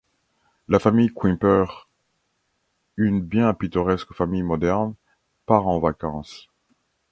La famille Kwimper, une bien pittoresque famille moderne, part en vacances.